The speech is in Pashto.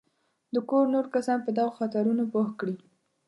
د کور نور کسان په دغو خطرونو پوه کړي.